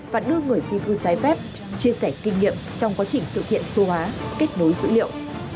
và đưa người di cư trái phép chia sẻ kinh nghiệm trong quá trình tự thiện số hóa kết nối dữ liệu